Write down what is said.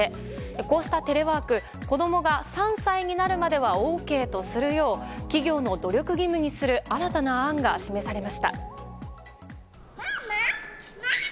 こうしたテレワーク子供が３歳になるまではＯＫとするよう企業の努力義務にする新たな案が示されました。